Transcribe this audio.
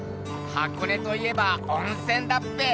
箱根といえばおんせんだっぺ。